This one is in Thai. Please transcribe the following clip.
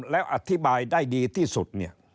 แล้วอธิบายได้ดีที่สุด